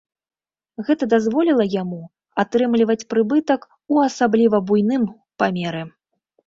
Гэта дазволіла яму атрымліваць прыбытак у асабліва буйным памеры.